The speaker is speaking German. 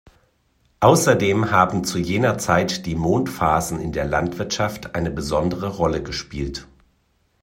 Außerdem haben zu jener Zeit die Mondphasen in der Landwirtschaft eine besondere Rolle gespielt.